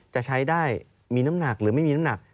จะใช้ได้มีน้ำหนักหรือไม่มีน้ำหนัก